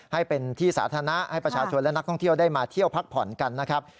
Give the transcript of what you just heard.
ให้เป็นที่สาธารณะให้ประชาชนและนักท่องเที่ยวได้มาเที่ยวพักผ่อนกันนะครับ